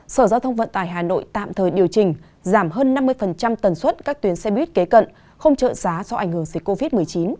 sở giao thông vận tải hà nội tạm thời điều chỉnh giảm hơn năm mươi tần suất các tuyến xe buýt kế cận không trợ giá do ảnh hưởng dịch covid một mươi chín